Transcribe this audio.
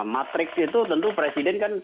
matriks itu tentu presiden kan